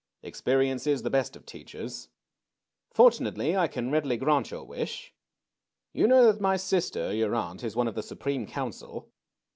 Experience is the best of teachers. Fortunately, I can readily grant your wish. You know that my sister, your aunt, is one of the Supreme Council.